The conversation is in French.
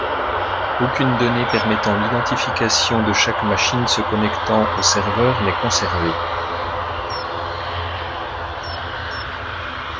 Aucune donnée permettant l’identification de chaque machine se connectant au serveur n’est conservée.